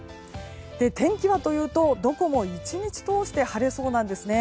天気はというとどこも１日通して晴れそうです。